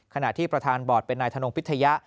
ขณะที่ประธานบอร์ดเป็นนายธนงพิทยะ